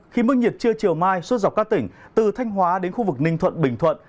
khi mức nhiệt trưa chiều mai suốt dọc các tỉnh từ thanh hóa đến khu vực ninh thuận bình thuận